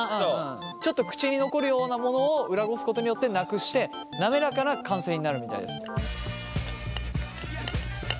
ちょっと口に残るようなものを裏ごすことによってなくして滑らかな完成になるみたいです。